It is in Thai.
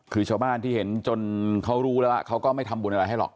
คือชาวบ้านที่เห็นจนเขารู้แล้วว่าเขาก็ไม่ทำบุญอะไรให้หรอก